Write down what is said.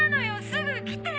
すぐ来て！